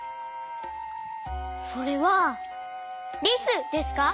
それはリスですか？